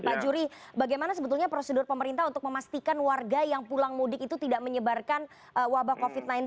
pak juri bagaimana sebetulnya prosedur pemerintah untuk memastikan warga yang pulang mudik itu tidak menyebarkan wabah covid sembilan belas